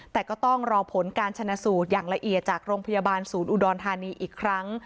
แต่ก็ต้องรอผลการชนะสูตรอย่างละเอียดจากโรงพยาบาลศูนย์อุดรธานีอีกครั้ง